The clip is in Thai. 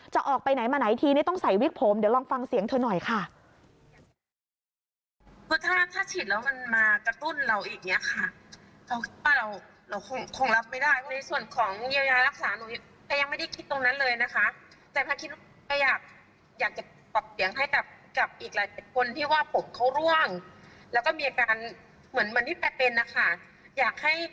จะไปไหนมาไหนทีนี้ต้องใส่วิกผมเดี๋ยวลองฟังเสียงเธอหน่อยค่ะ